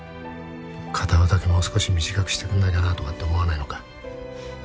片方だけもう少し短くしてくんないかなとかって思わないのか？